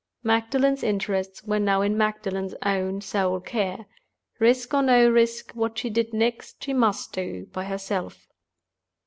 Magdalen's interests were now in Magdalen's own sole care. Risk or no risk, what she did next she must do by herself.